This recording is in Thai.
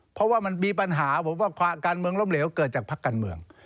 เพราะว่ามันมีปัญหาผมว่าการเมืองล้มเหลวเกิดจากพักการเมือง